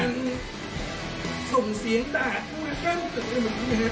มันก็ส่งเสียงด่าทุกอย่างเกิดอะไรเหมือนกันไหมครับ